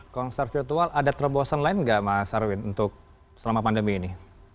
konser virtual ada terobosan lain nggak mas arwin untuk selama pandemi ini